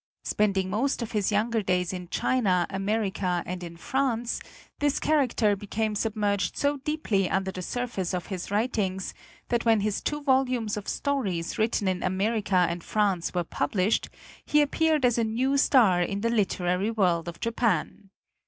Spend ing most of his younger days in China, America, and in France, this character became submerged so deeply under the surface of his writings that when his two volumes of stories written in xviii INTRODUCTION America and France were published, he appeared as a new star in the literary world of Japan.